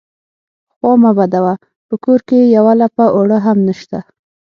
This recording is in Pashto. _خوا مه بدوه، په کور کې يوه لپه اوړه هم نشته.